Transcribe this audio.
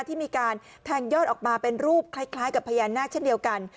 ที่มีการแทงยอดออกมาเป็นรูปคล้ายกับพญานาคเช่นเดียวกัน